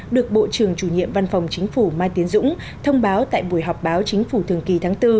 được bộ trưởng chủ nhiệm văn phòng chính phủ mai tiến dũng thông báo tại buổi họp báo chính phủ thường kỳ tháng bốn